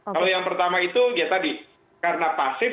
kalau yang pertama itu ya tadi karena pasif